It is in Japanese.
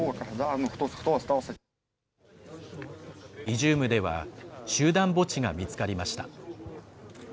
イジュームでは、集団墓地が見つかりました。